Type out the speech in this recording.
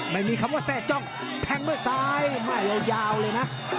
ไม่มีคำว่าแส่จ้องแทงมาใสมายาวยาวเลยนะ